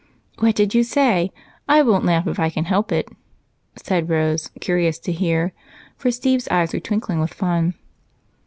"What did you say? I won't laugh if I can help it," said Rose, curious to hear, for Steve's eyes were twinkling with fun.